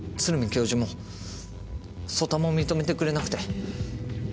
教授も曽田も認めてくれなくて。